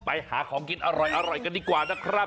ไปหาของกินอร่อยกันดีกว่านะครับ